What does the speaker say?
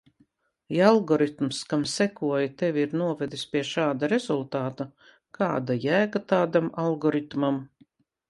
Ja algoritms, kam sekoji, tevi ir novedis pie šāda rezultāta, kāda jēga tādam algoritmam?